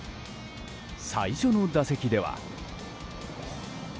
最初の打席では。